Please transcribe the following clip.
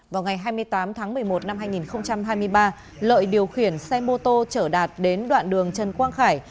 vào ngày hai mươi tám tháng một mươi một năm hai nghìn hai mươi ba lợi điều khiển xe mô tô trở đạt đến đoạn đường trần quang khải